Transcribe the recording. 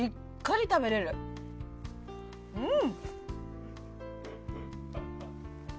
・うん！